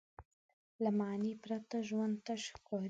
له معنی پرته ژوند تش ښکاري.